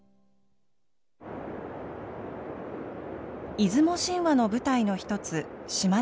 出雲神話の舞台の一つ島根半島。